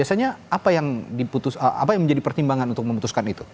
apa yang menjadi pertimbangan untuk memutuskan itu